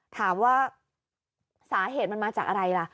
ถามว่าสาเหตุมันมาจากอะไรล่ะ